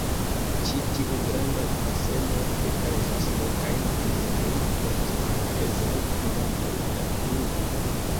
Ĉi-tiu granda baseno ofte kaŭzas lokajn inundojn post pezaj kvantoj da pluvo.